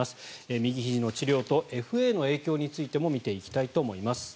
右ひじの治療とＦＡの影響についても見ていきたいと思います。